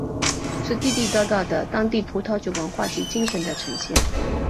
是地地道道的当地葡萄酒文化及精神的呈现。